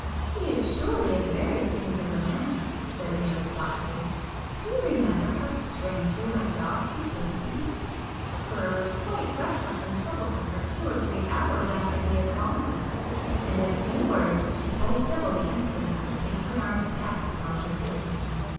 "He is surely a very singular man,"—said Mavis thoughtfully—"Do you remember how strangely my dogs behaved to him? Emperor was quite restless and troublesome for two or three hours after he had gone." And in a few words, she told Sibyl the incident of the St Bernard's attack upon Lucio.